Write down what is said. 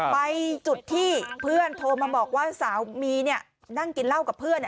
ไปจุดที่เพื่อนโทรมาบอกว่าสามีนั่งกินเหล้ากับเพื่อน